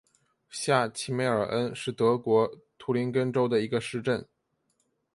下齐梅尔恩是德国图林根州的一个市镇。